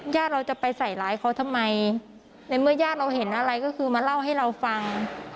ญาติเราจะไปใส่ร้ายเขาทำไมในเมื่อญาติเราเห็นอะไรก็คือมาเล่าให้เราฟัง